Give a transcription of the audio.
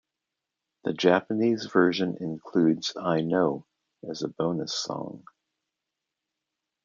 The Japanese version includes "I Know" as a bonus song.